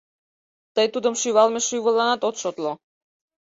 Тый тудым шӱвалме шӱвылланат от шотло.